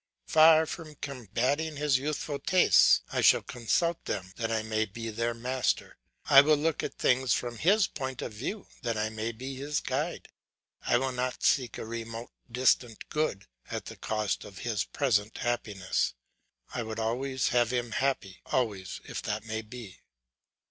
Far from combating his youthful tastes, I shall consult them that I may be their master; I will look at things from his point of view that I may be his guide; I will not seek a remote distant good at the cost of his present happiness. I would always have him happy always if that may be.